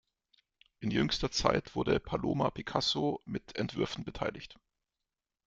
In jüngster Zeit wurde Paloma Picasso mit Entwürfen beteiligt.